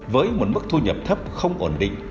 với một mức thu nhập thấp không ổn định